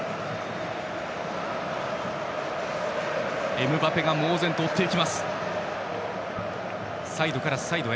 エムバペが猛然と追っていく。